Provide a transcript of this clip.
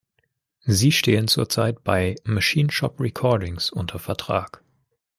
Sie stehen zurzeit bei Machine Shop Recordings unter Vertrag.